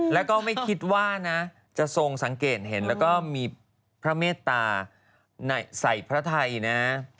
แล้วก็ไม่คิดว่านะจะทรงสังเกตเห็นแล้วก็มีพระเมตตาใส่พระไทยนะ